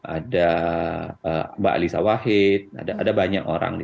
ada mbak alisa wahid ada banyak orang